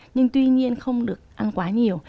nhưng tuy nhiên không được ăn quá nhiều